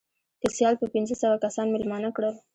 که سیال به پنځه سوه کسان مېلمانه کړل.